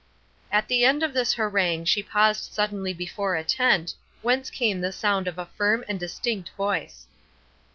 At the end of this harangue she paused suddenly before a tent, whence came the sound of a firm and distinct voice.